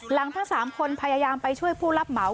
ทั้ง๓คนพยายามไปช่วยผู้รับเหมา